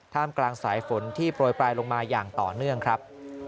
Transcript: กลางสายฝนที่โปรยปลายลงมาอย่างต่อเนื่องครับ